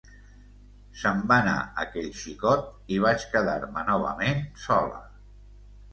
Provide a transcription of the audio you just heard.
Se'n va anar aquell xicot i vaig quedar-me novament sola.